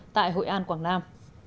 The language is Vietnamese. tại hội an quảng nam